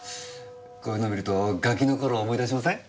こういうの見るとガキの頃思い出しません？